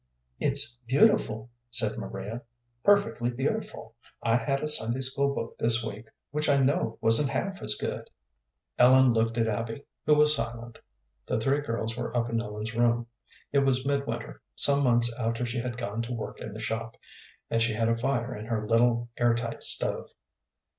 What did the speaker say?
"It's beautiful," said Maria "perfectly beautiful. I had a Sunday school book this week which I know wasn't half as good." Ellen looked at Abby, who was silent. The three girls were up in Ellen's room. It was midwinter, some months after she had gone to work in the shop, and she had a fire in her little, air tight stove.